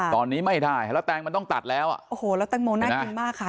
ตอนนี้ไม่ได้แล้วแตงมันต้องตัดแล้วอ่ะโอ้โหแล้วแตงโมน่ากินมากค่ะ